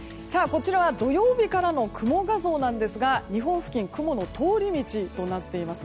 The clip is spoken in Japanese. こちらは土曜日からの雲画像なんですが日本付近雲の通り道となっています。